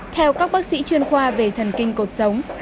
theo các bác sĩ chuyên khoa về thần kinh cột sống